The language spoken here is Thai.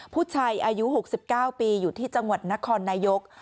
ผู้ชายอายุ๖๙ปีอยู่ที่จังหวัดนครนายก